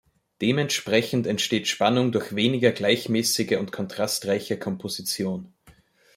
Dementsprechend entsteht Spannung durch weniger gleichmäßige und kontrastreiche Komposition.